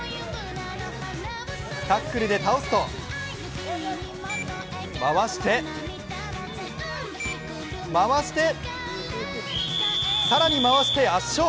タックルで倒すと、回して、回して回して更に回して、圧勝！